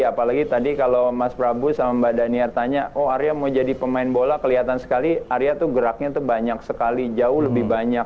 apalagi tadi kalau mas prabu sama mbak daniar tanya oh arya mau jadi pemain bola kelihatan sekali arya tuh geraknya tuh banyak sekali jauh lebih banyak